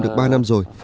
được ba năm rồi